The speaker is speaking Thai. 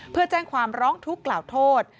เพื่อแจ้งความร้องทุกข์กล่าวโทษ